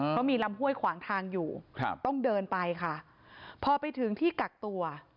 เพราะมีลำห้วยขวางทางอยู่ต้องเดินไปค่ะ